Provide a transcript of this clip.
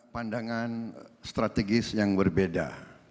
pandangan strategis yang berbeda